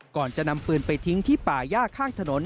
ก่อนจะนำปืนไปทิ้งที่ป่าย่าข้างถนน